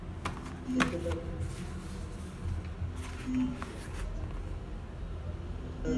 চুক্তিটা করে ম্যাথু হয়ে গেছেন ত্রিশোর্ধ্ব ডিফেন্ডারের মধ্যে সবচেয়ে দামি ডিফেন্ডার।